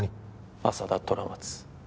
朝田虎松。